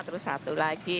terus satu lagi